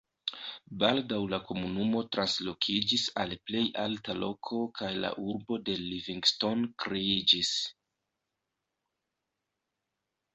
Baldaŭ la komunumo translokiĝis al plej alta loko kaj la urbo de Livingstone kreiĝis.